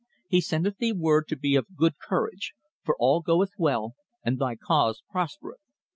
"He sendeth thee word to be of good courage, for all goeth well, and thy cause prospereth.